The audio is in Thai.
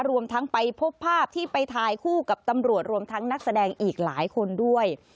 รวมทั้งไปพบภาพที่ไปถ่ายคู่กับตำรวจรวมทั้งนักแสดงอีกหลายคนด้วย